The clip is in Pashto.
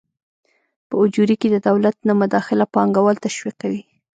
په اجورې کې د دولت نه مداخله پانګوال تشویقوي.